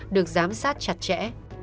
được giám sát chặt chẽ